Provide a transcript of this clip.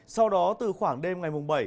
sau đó từ khoảng đêm ngày mùng bảy